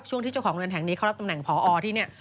ที่เจ้าของเรือนแห่งนี้เขารับตำแหน่งพอที่นี่